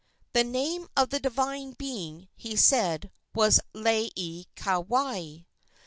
The name of the divine being, he said, was Laieikawai.